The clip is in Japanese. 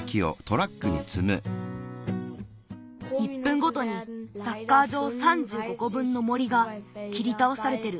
１ぷんごとにサッカーじょう３５こぶんの森がきりたおされてる。